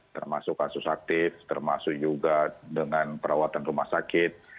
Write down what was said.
termasuk kasus aktif termasuk juga dengan perawatan rumah sakit